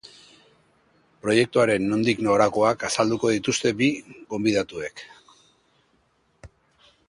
Proiektuaren nondik norakoak azalduko dituzte bi gonbidatuek.